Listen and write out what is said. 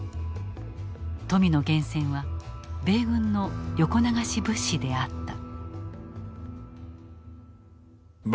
富の源泉は米軍の横流し物資であった。